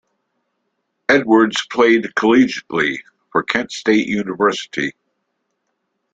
Edwards played collegiately for Kent State University.